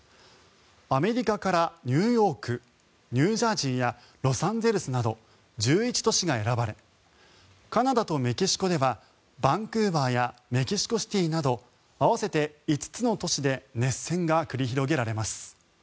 アメリカからニューヨークニュージャージーやロサンゼルスなど１１都市が選ばれカナダとメキシコではバンクーバーやメキシコシティなど合わせて５つの都市で熱戦が繰り広げられます。